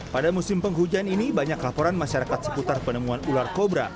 pada musim penghujan ini banyak laporan masyarakat seputar penemuan ular kobra